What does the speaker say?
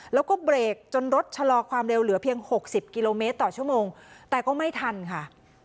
แล้วก็เบรกจนรถชะลอความเร็วเหลือเพียง๖๐กิโลเมตรต่อชั่วโมงแต่ก็ไม่ทันค่ะ